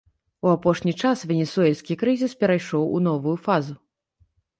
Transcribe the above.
У апошні час венесуэльскі крызіс перайшоў у новую фазу.